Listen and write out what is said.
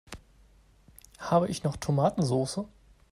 Habe ich noch Tomatensoße?